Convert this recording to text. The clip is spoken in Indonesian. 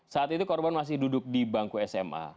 saat itu korban masih duduk di bangku sma